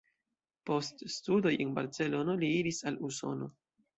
Post studoj en Barcelono li iris al Usono.